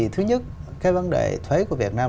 thứ nhất cái vấn đề thuế của việt nam